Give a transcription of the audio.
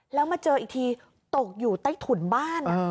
แล้วมาเจออีกทีตกอยู่ใต้ถุนบ้าน